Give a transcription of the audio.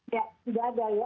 tidak tidak ada